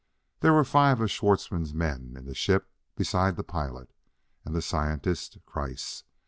There were five of Schwartzmann's men in the ship besides the pilot and the scientist, Kreiss.